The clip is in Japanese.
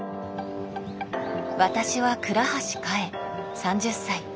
私は倉橋香衣３０歳。